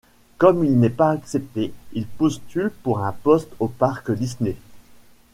Comme il n'est pas accepté, il postule pour un poste au parc Disney.